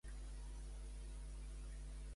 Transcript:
D'acord amb Plutarc, què li va passar a Aristides?